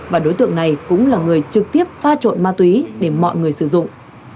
và đối tượng này cũng là người trực tiếp pha trộn ma túy để mọi người sử dụng